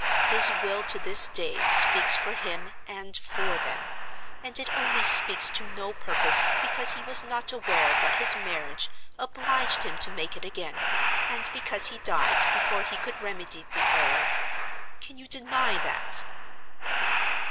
His will to this day speaks for him and for them; and it only speaks to no purpose, because he was not aware that his marriage obliged him to make it again, and because he died before he could remedy the error. Can you deny that?"